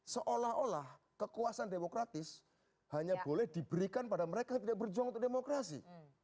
seolah olah kekuasaan demokratis hanya boleh diberikan pada mereka yang tidak berjuang untuk demokrasi